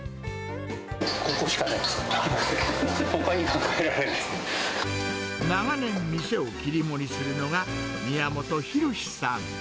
ここしかない、ほかには考え長年、店を切り盛りするのが、宮本博さん。